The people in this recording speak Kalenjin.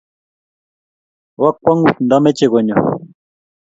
bo kwangut ndameche konyoo